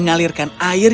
dan tertekan pada kami